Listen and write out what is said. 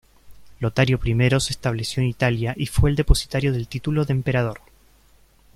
Lotario I se estableció en Italia y fue el depositario del título de emperador.